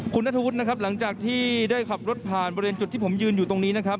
คุณนัทฮุทธ์หลังจากที่ได้ขับรถผ่านบริเวณจุดที่ผมยืนอยู่ตรงนี้